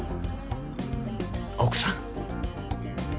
奥さん。